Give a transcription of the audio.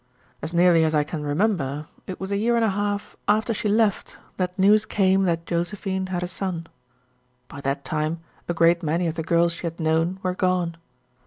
As nearly as I can remember, it was a year and a half after she left that news came that Josephine had a son. By that time a great many of the girls she had known were gone.